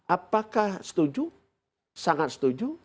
apakah setuju sangat setuju